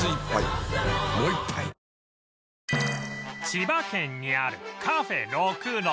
千葉県にあるカフェ呂久呂